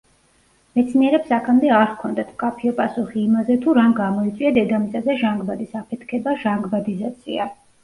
მეცნიერებს აქამდე არ ჰქონდათ მკაფიო პასუხი იმაზე, თუ რამ გამოიწვია დედამიწაზე ჟანგბადის აფეთქება, ჟანგბადიზაცია.